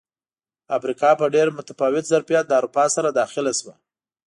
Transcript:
افریقا په ډېر متفاوت ظرفیت له اروپا سره داخله شوه.